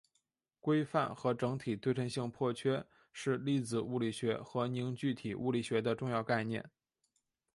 规范和整体对称性破缺是粒子物理学和凝聚体物理学的重要概念。